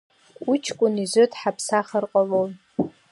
Уҷкәын изы дҳаԥсахыр ҟалон.